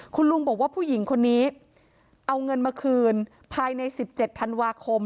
คุณลุงบอกว่าผู้หญิงคนนี้เอาเงินมาคืนภายใน๑๗ธันวาคม